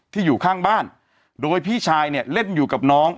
อยู่ข้างบ้านโดยพี่ชายเนี่ยเล่นอยู่กับน้อง